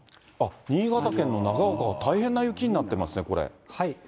あっ、新潟県の長岡は大変な雪になってますね、これ。